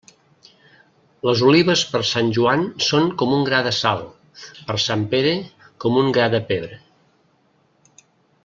Les olives per Sant Joan són com un gra de sal; per Sant Pere, com un gra de pebre.